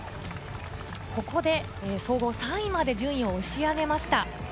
ここで総合３位まで順位を押し上げました。